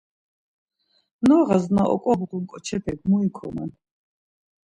Noğas na oǩobğun ǩoçepek mu ikoman?